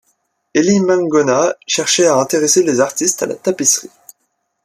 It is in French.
Elie Maingonnat cherchait à intéresser les artistes à la tapisserie.